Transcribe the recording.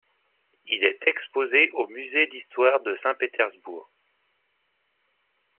Il est exposé au musée d'Histoire de Saint-Pétersbourg.